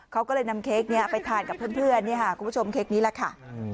เขาก็เลยนำเค้กนี้ไปทานกับเพื่อนคุณผู้ชมเค้กนี้แหละค่ะ